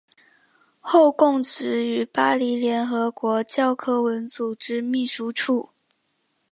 后供职于巴黎联合国教科文组织秘书处。